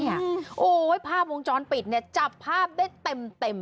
โอ้โหภาพวงจรปิดเนี่ยจับภาพได้เต็ม